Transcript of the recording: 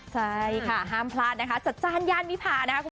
ใช่ค่ะห้ามพลาดนะคะจัดจ้านย่านวิพานะคะ